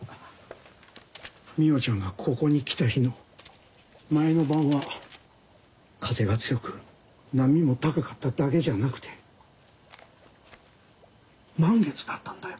海音ちゃんがここに来た日の前の晩は風が強く波も高かっただけじゃなくて満月だったんだよ。